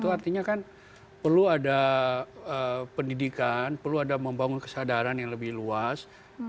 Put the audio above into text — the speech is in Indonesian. artinya perlu ada pendidikan perlu membangun kesadaran yang lebih luas